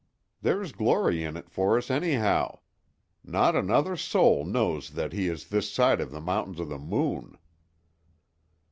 There's glory in it for us, anyhow. Not another soul knows that he is this side of the Mountains of the Moon."